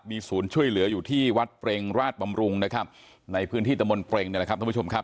มีศูนย์ช่วยเหลืออยู่ที่วัดเปรงราชบำรุงนะครับในพื้นที่ตะมนต์เปรงเนี่ยแหละครับท่านผู้ชมครับ